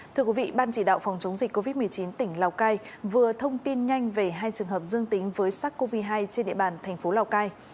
thưa quý vị ban chỉ đạo phòng chống dịch covid một mươi chín tỉnh lào cai vừa thông tin nhanh về hai trường hợp dương tính với sars cov hai trên địa bàn thành phố lào cai